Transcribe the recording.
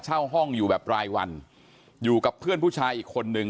เช่าห้องอยู่แบบรายวันอยู่กับเพื่อนผู้ชายอีกคนนึง